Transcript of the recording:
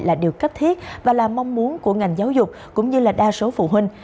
là điều cấp thiết và là mong muốn của ngành giáo dục cũng như là đa số phụ huynh